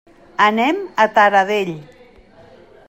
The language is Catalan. Anem a Taradell.